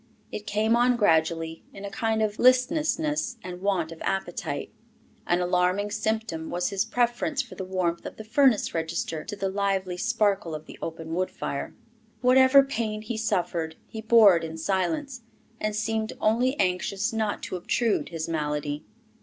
It came on gradually, in a kind of listlessness and want of appetite. An alarming symptom was his preference for the warmth of a furnace register to the lively sparkle of the open wood fire. Whatever pain he suffered, he bore it in silence, and seemed only anxious not to obtrude his malady.